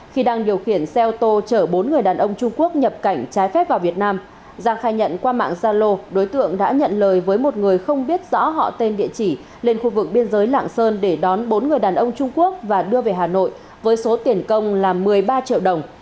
khi đang điều khiển xe ô tô chở bốn người đàn ông trung quốc nhập cảnh trái phép vào việt nam giang khai nhận qua mạng gia lô đối tượng đã nhận lời với một người không biết rõ họ tên địa chỉ lên khu vực biên giới lạng sơn để đón bốn người đàn ông trung quốc và đưa về hà nội với số tiền công là một mươi ba triệu đồng